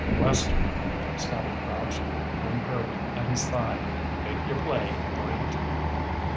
"Western." Scotty crouched, hand curved at his thigh. "Make your play, Brant!"